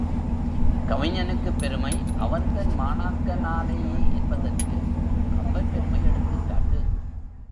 கவிஞனுக்குப் பெருமை அவன் தன் மாணாக்கனாலேயே என்பதற்கு கம்பன் பெருமை எடுத்துக்காட்டு.